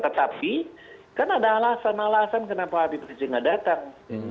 tetapi kan ada alasan alasan kenapa abiprisi nggak datang